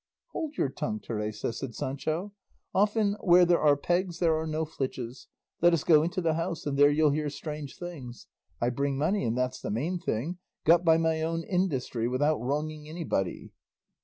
"Hold your tongue, Teresa," said Sancho; "often 'where there are pegs there are no flitches;' let's go into the house and there you'll hear strange things. I bring money, and that's the main thing, got by my own industry without wronging anybody."